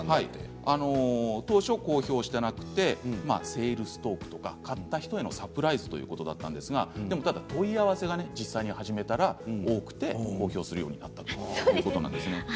当初、公表していなくてセールストークとか買った人へのサプライズということだったんですが問い合わせが実際に初めから多くて公表するようになったということですね。